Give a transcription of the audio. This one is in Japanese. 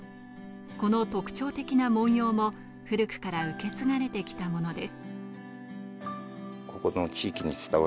この特徴的な文様も古くから受け継がれてきたものです。